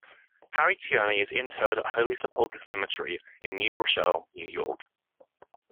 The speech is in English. Harry Tierney is interred at Holy Sepulchre Cemetery in New Rochelle, New York.